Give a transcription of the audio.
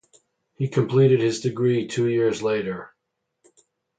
He completed his degree two years later.